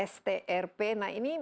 strp nah ini